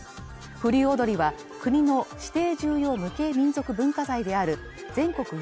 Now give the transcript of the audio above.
風流踊は国の指定重要無形民俗文化財である全国